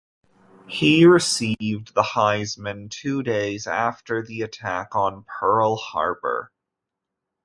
He received the Heisman two days after the attack on Pearl Harbor.